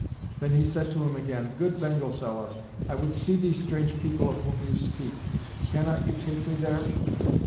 Then he said to him again, "Good bangle seller, I would see these strange people of whom you speak; cannot you take me there?"